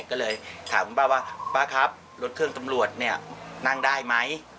ก็เลยถามคุณป้าว่าป้าครับรถเครื่องตำรวจเนี่ยนั่งได้ไหม